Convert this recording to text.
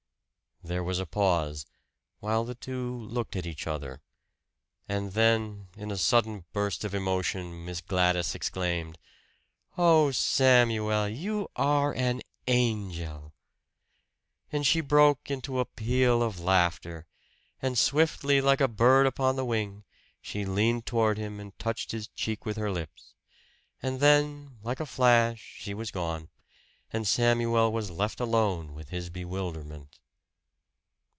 There was a pause, while the two looked at each other. And then in a sudden burst of emotion Miss Gladys exclaimed, "Oh, Samuel, you are an angel!" And she broke into a peal of laughter; and swiftly, like a bird upon the wing, she leaned toward him, and touched his cheek with her lips. And then, like a flash, she was gone; and Samuel was left alone with his bewilderment.